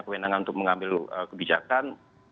kebenaran untuk mengambil kebijakan